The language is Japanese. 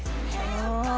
ああ。